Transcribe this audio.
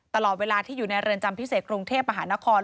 ตลอดเวลาที่อยู่ในเรือนจำพิเศษกรุงเทพมหานคร